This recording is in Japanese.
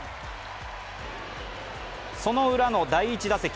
そのウラの第１打席。